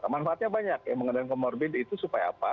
manfaatnya banyak ya mengenai komorbin itu supaya apa